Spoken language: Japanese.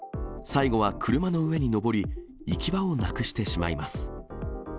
最後は車の上に上り、行き場をなくしてしまいます。